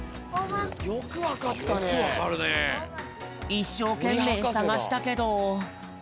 いっしょうけんめいさがしたけど。